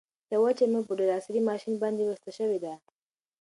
دا وچه مېوه په ډېر عصري ماشین باندې بسته شوې ده.